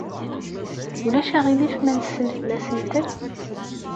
Ulac aɣilif ma nessenfel asentel?